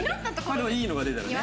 でもいいのが出たらね。